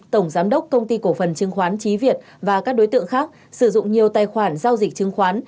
tổng giám đốc công ty cổ phần chứng khoán trí việt và các đối tượng khác sử dụng nhiều tài khoản giao dịch chứng khoán